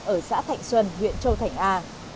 ở xã thạnh xuân huyện châu thành a